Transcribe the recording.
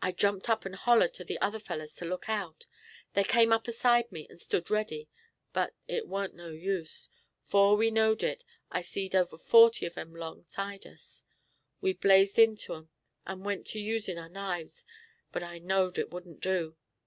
"I jumped up and hollered to the other fellers to look out. They came up aside me and stood ready, but it weren't no use. 'Fore we knowed it, I seed over forty of 'em 'long 'side us. We blazed into 'em and went to usin' our knives, but I knowed it wouldn't do.